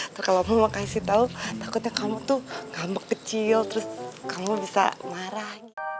terkadang mama kasih tau takutnya kamu tuh gambek kecil terus kamu bisa marah